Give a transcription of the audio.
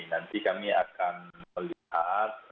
nanti kami akan melihat